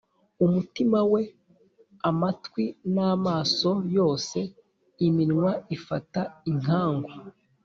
umutima we amatwi n'amaso yose, iminwa ifata inkangu